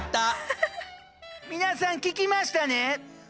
皆さん聞きましたね？